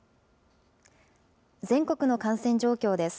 全国の感染状況です。